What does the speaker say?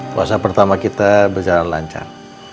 puasa pertama kita berjalan lancar